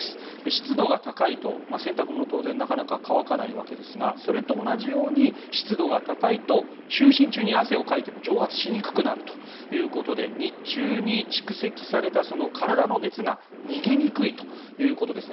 湿度が高いと、洗濯物も当然なかなか乾かないわけですがそれと同じように湿度が高いと就寝中に汗をかいても蒸発しにくくなるということで日中に蓄積された体の熱が逃げにくいということです。